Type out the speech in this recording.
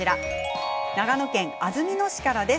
長野県安曇野市からです。